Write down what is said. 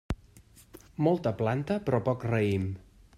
Molta planta però poc raïm.